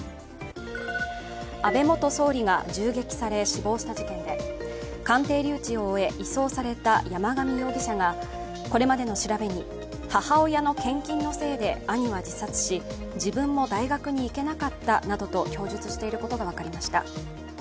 安倍元総理が銃撃され死亡した事件で鑑定留置を終え移送された山上容疑者がこれまでの調べに母親の献金のせいで兄は自殺し自分も大学に行けなかったなどと供述していることが分かりました。